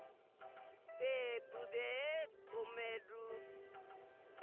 テープでとめる。